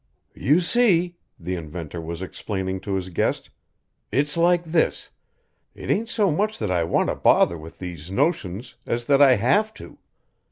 "You see," the inventor was explaining to his guest, "it's like this: it ain't so much that I want to bother with these notions as that I have to.